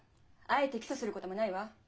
あえて起訴することもないわ。